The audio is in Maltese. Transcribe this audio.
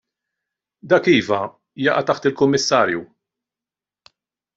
Dak iva, jaqa' taħt il-kummissarju.